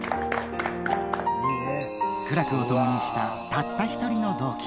苦楽を共にしたたった一人の同期。